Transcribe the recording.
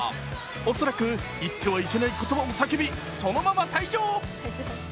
恐らく言ってはいけない言葉を叫び、そのまま退場。